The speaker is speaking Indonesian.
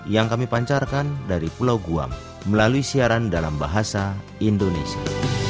yang kami pancarkan dari pulau guam melalui siaran dalam bahasa indonesia